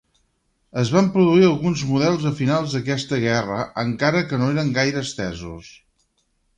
Es van produir alguns models a finals d'aquesta guerra, encara que no eren gaire estesos.